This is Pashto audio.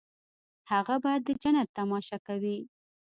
هغه به د جنت تماشه کوي.